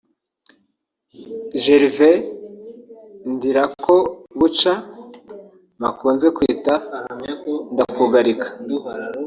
Gervais Ndirakobuca bakunze kwita Ndakugarika